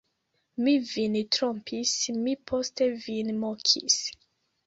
Mi vin trompis, mi poste vin mokis!